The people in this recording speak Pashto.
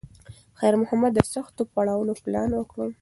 خیر محمد د سختو پړاوونو پلان وکړ.